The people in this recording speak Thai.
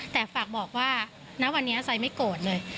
แต่ฝากบอกว่าณวันนี้ไซด์ไม่โกรธเลย